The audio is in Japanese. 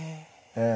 ええ。